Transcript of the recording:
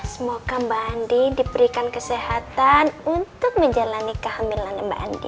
semoga mbak andi diberikan kesehatan untuk menjalani kehamilan mbak andi